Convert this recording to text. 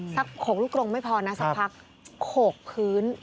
โขกลูกกรงไม่พอนะสักพักโขกพื้น